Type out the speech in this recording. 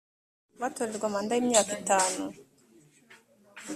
batorerwa manda y imyaka itanu